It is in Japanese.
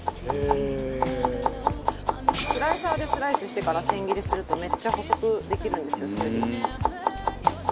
和田：スライサーでスライスしてから千切りするとめっちゃ細くできるんですよきゅうり。